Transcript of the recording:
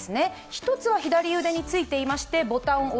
１つは左腕についています。